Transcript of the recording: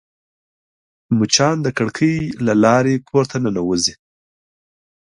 مچان د کړکۍ له لارې کور ته ننوزي